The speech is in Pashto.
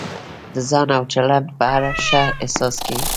د ځان او چلند په اړه ښه احساس کوئ.